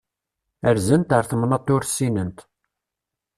Rzant ar temnaḍt ur ssinent.